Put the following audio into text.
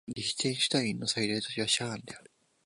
リヒテンシュタインの最大都市はシャーンである